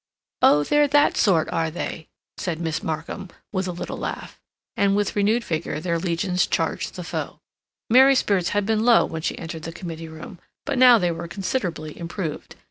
"Oh, they're that sort, are they?" said Miss Markham, with a little laugh; and with renewed vigor their legions charged the foe. Mary's spirits had been low when she entered the committee room; but now they were considerably improved.